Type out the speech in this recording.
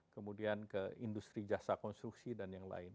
kemudian ke industri jasa konstruksi dan yang lain